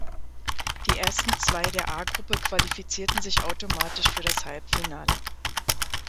Die ersten zwei der A-Gruppe qualifizierten sich automatisch für das Halbfinale.